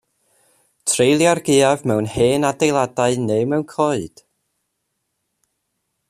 Treulia'r gaeaf mewn hen adeiladau neu mewn coed.